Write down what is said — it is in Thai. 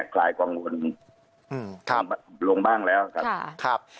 คลายกังวลลงบ้างแล้วครับ